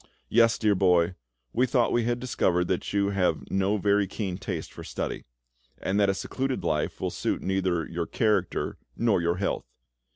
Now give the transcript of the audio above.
Yes, dear boy, we thought we had discovered that you have no very keen taste for study, and that a secluded life will suit neither your character nor your health.